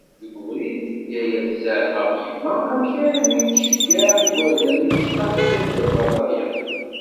Deg ubrid, yaya tzaf ɣef yemma amek armi d-tceggaɛ igerdan imecṭaḥ si taddert ɣer tayeḍ.